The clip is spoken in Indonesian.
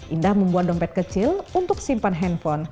indah membuat dompet kecil untuk simpan handphone